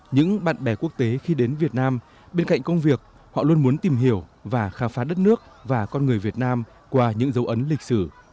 những bạn bè quốc tế khi đến việt nam bên cạnh công việc họ luôn muốn tìm hiểu và khám phá đất nước và con người việt nam qua những dấu ấn lịch sử